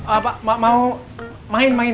apa mau main main